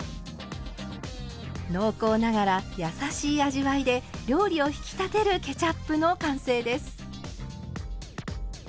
濃厚ながら優しい味わいで料理を引き立てるケチャップの完成です。